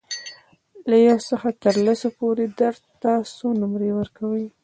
له یو څخه تر لسو پورې درد ته څو نمرې ورکوئ؟